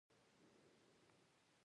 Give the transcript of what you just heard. کاناډا د لوبو جوړولو مرکز دی.